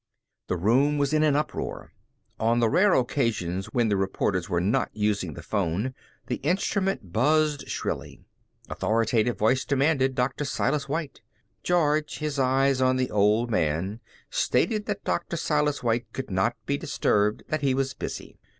The room was in an uproar. On the rare occasions when the reporters were not using the phone the instrument buzzed shrilly. Authoritative voices demanded Dr. Silas White. George, his eyes on the old man, stated that Dr. Silas White could not be disturbed, that he was busy.